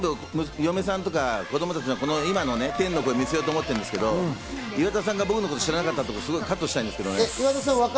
今日、全部、嫁さんとか子供たちに今日の天の声を見せようと思ってるんですけど、岩田さんが知らなかったことをカットしたいんですけどね。